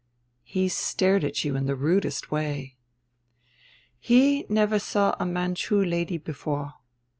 "He stared at you in the rudest way." "He never saw a Manchu lady before.